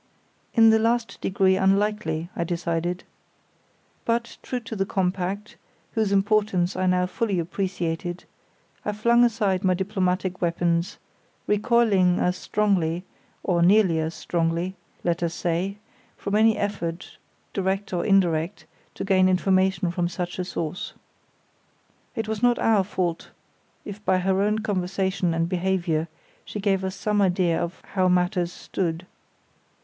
In the last degree unlikely, I decided. But, true to the compact, whose importance I now fully appreciated, I flung aside my diplomatic weapons, recoiling, as strongly, or nearly as strongly, let us say, from any effort direct or indirect to gain information from such a source. It was not our fault if by her own conversation and behaviour she gave us some idea of how matters stood.